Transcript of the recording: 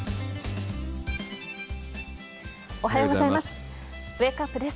おはようございます。